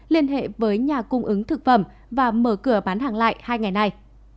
liên hệ với nhà cung ứng thực phẩm và mở cửa bán hàng lại hai ngày này